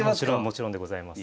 もちろんでございます。